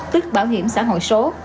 tức bảo hiểm xã hội số